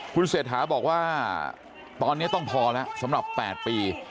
คุณเศรษฐาบอกว่าตอนนี้ต้องพอแล้วสำหรับ๘ปี